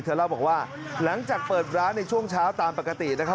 เล่าบอกว่าหลังจากเปิดร้านในช่วงเช้าตามปกตินะครับ